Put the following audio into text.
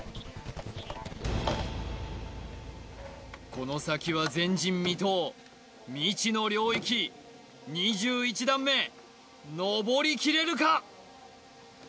この先は前人未到未知の領域２１段目のぼりきれるか？